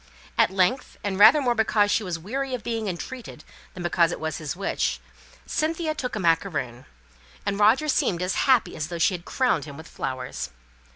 At length, and rather more because she was weary of being entreated, than because it was his wish, Cynthia took a macaroon, and Roger seemed as happy as though she had crowned him with flowers.